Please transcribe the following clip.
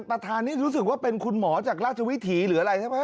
ประธานนี้รู้สึกว่าเป็นคุณหมอจากราชวิถีหรืออะไรใช่ไหม